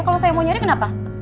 kalau saya mau nyari kenapa